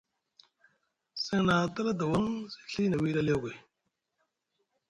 Seŋ na a tala dawaŋ zi Ɵi na wiɗi aliogoy.